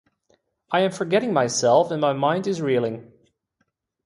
I am forgetting myself, and my mind is reeling.